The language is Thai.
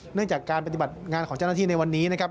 เนื่องจากการปฏิบัติงานของเจ้าหน้าที่ในวันนี้นะครับ